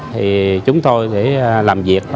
thì chúng tôi thì làm việc